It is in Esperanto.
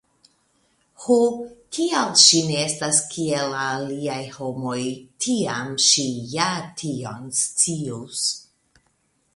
Ho, kial ŝi ne estas kiel la aliaj homoj, tiam ŝi ja tion scius.